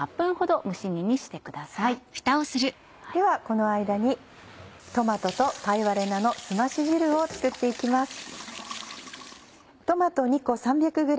この間に「トマトと貝割れ菜のすまし汁」を作って行きます。